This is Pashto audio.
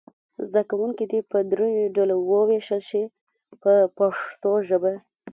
زده کوونکي دې په دریو ډلو وویشل شي په پښتو ژبه.